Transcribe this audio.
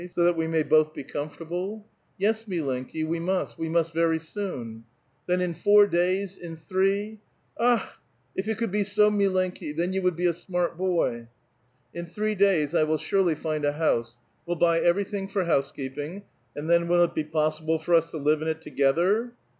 so that we may both be comfortable ?"" Yes, milenki^ we must ; we must very soon !"" Then in four days, in three —" ^'Akh! if it could be so, milciiki; then you would be a smart boy I '*" In three days I will surely find a house ; will buy every thing for housekeeping, and then will it be possible for us to live in it together